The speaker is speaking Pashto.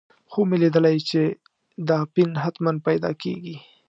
خوب مې لیدلی چې دا اپین حتماً پیدا کېږي.